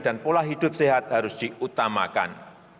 dan pola hidup sehat harus diutamakan